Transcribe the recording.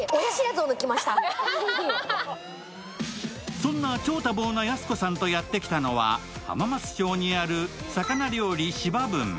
そんな超多忙なやす子さんとやってきたのは浜松町にある魚料理芝文。